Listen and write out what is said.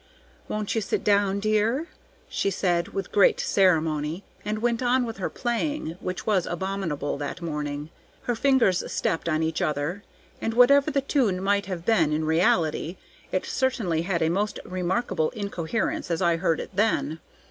"Won't you sit down, dear?" she said, with great ceremony, and went on with her playing, which was abominable that morning; her fingers stepped on each other, and, whatever the tune might have been in reality, it certainly had a most remarkable incoherence as I heard it then.